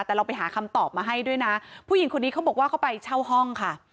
แต่เราไปหาคำตอบมาให้ด้วยนะผู้หญิงคนนี้เขาบอกว่าเขาไปเช่าห้องค่ะ